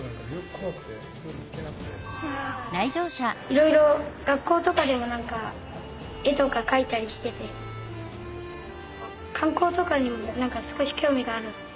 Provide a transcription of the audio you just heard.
いろいろ学校とかでも絵とか描いたりしてて観光とかにも少し興味がある。